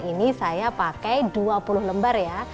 ini saya pakai dua puluh lembar ya